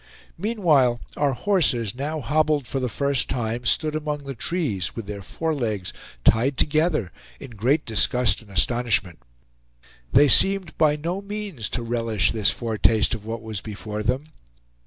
Meanwhile our horses, now hobbled for the first time, stood among the trees, with their fore legs tied together, in great disgust and astonishment. They seemed by no means to relish this foretaste of what was before them.